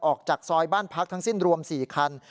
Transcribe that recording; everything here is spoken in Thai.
ออกจากซอยบ้านพักทั้งสิ้นรวม๔คัน